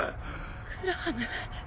グラハム。